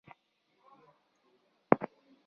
پاک ساتم لاسونه مې